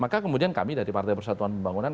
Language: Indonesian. maka kemudian kami dari partai persatuan pembangunan